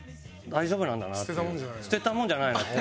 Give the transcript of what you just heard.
捨てたもんじゃないなと。